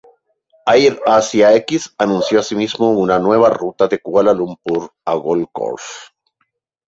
AirAsia X anunció así mismo una nueva ruta de Kuala Lumpur a Gold Coast.